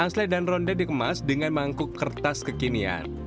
mansley dan ronde dikemas dengan mangkuk kertas kekinian